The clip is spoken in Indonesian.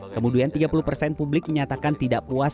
kemudian tiga puluh persen publik menyatakan tidak puas